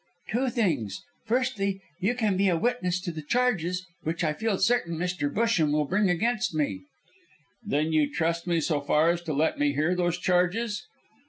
"Two things. Firstly, you can be a witness to the charges, which, I feel certain, Mr. Busham will bring against me." "Then you trust me so far as to let me hear those charges?"